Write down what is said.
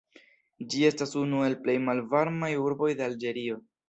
Ĝi estas unu el plej malvarmaj urboj de Alĝerio.